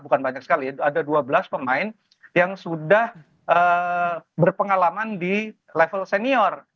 bukan banyak sekali ada dua belas pemain yang sudah berpengalaman di level senior